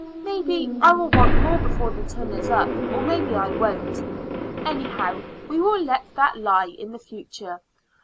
Maybe I will want more before the term is up, or maybe I won't. Anyhow, we will let that lie in the future.